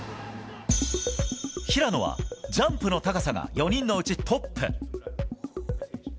平野はジャンプの高さが４人のうちトップ。